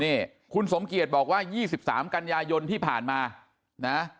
นี่คุณสมเกียจบอกว่ายี่สิบสามกัญญายนที่ผ่านมานะ